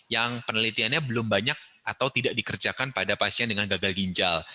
yang penelitiannya belum banyak atau tidak dikerjakan pada pasien dengan gagal ginjal